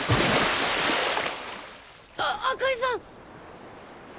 あ赤井さん？